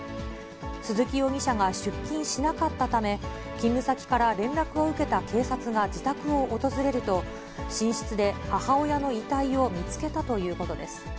鈴木容疑者が出勤しなかったため、勤務先から連絡を受けた警察が自宅を訪れると、寝室で母親の遺体を見つけたということです。